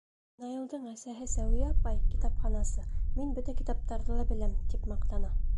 Ә Наилдың әсәһе Сәүиә апай китапханасы, мин бөтә китаптарҙы ла беләм, тип маҡтана.